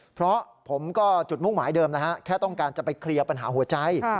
เพราะผมก็จุดมุ่งหมายเดิมนะฮะแค่ต้องการจะไปเคลียร์ปัญหาหัวใจ